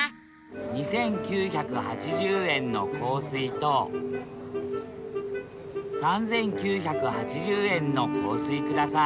２，９８０円の香水と３，９８０円の香水ください